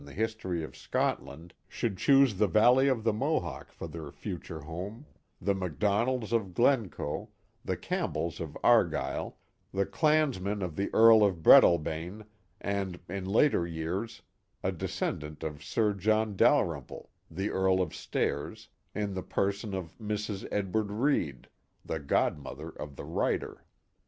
the history of Scotland should choose the valley of the Mohawk for their future home, — the MacDonalds of Glencoe, the Campbells of Argyle, the clansmen of the Earl of Breadal bane, and, in later years, a descendant of Sir John Dalrymple, the EatI of Stairs, in the person of Mrs. Edward Reid, the godmother of the writer.